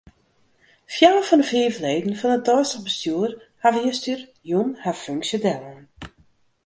Fjouwer fan 'e fiif leden fan it deistich bestjoer hawwe justerjûn har funksje dellein.